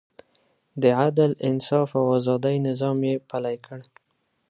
د عدل، انصاف او ازادۍ نظام یې پلی کړ.